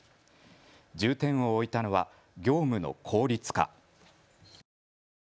重点を置いたのは業務の効率化。